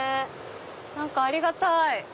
何かありがたい！